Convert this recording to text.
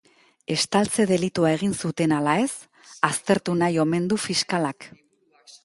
Estaltze delitua egin zuten ala ez aztertu nahi omen du fiskalak.